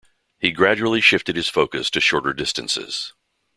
He gradually shifted his focus to shorter distances.